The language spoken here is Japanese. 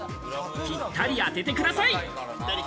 ぴったり当ててください。